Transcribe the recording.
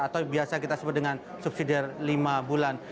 atau biasa kita sebut dengan subsidi lima bulan